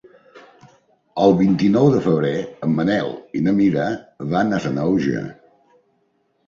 El vint-i-nou de febrer en Manel i na Mira van a Sanaüja.